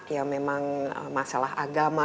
ya memang masalah agama